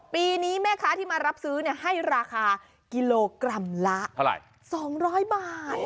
ปีนี้แม่ค้าที่มารับซื้อให้ราคากิโลกรัมละ๒๐๐บาท